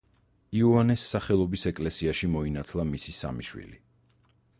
იოანეს სახელობის ეკლესიაში მოინათლა მისი სამი შვილი.